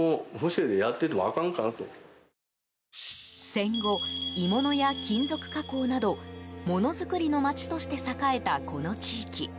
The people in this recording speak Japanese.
戦後、鋳物や金属加工などものづくりの街として栄えたこの地域。